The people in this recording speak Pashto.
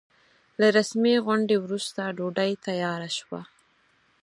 له رسمي غونډې وروسته ډوډۍ تياره شوه.